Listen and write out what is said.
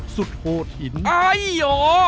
สุดโหดหินอ๊ายโห